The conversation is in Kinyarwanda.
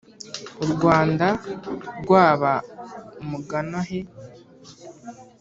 u rwanda rwaba umuganahe.